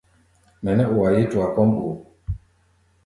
Mɛ nɛ́ o á yeé tua kɔ́ʼm o?